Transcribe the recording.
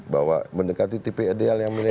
bahwa mendekati tipe ideal yang milih